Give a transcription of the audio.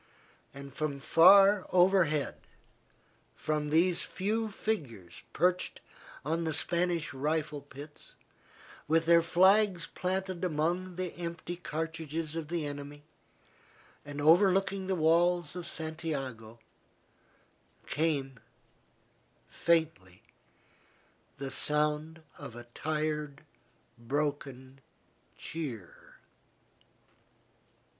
And from far overhead, from these few figures perched on the Spanish rifle pits, with their flags planted among the empty cartridges of the enemy, and overlooking the walls of Santiago, came, faintly, the sound of a tired, broken cheer.